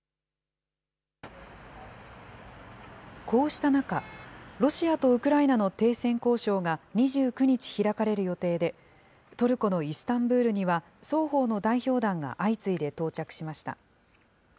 こうした中、ロシアとウクライナの停戦交渉が２９日開かれる予定で、トルコのイスタンブールには、双方の代表団が相次いで到着しました。